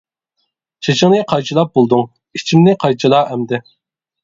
چېچىڭنى قايچىلاپ بولدۇڭ، ئىچىمنى قايچىلا ئەمدى!